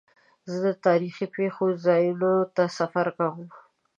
زه د تاریخي پېښو ځایونو ته سفر کوم.